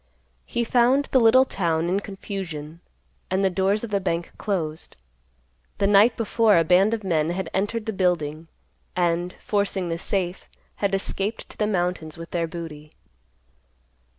He found the little town in confusion and the doors of the bank closed. The night before a band of men had entered the building, and, forcing the safe, had escaped to the mountains with their booty.